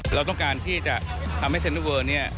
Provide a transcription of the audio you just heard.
เราต้องการที่จะทำให้เซ็นเตอร์เวอร์เนี่ย